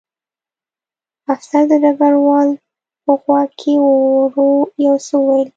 افسر د ډګروال په غوږ کې ورو یو څه وویل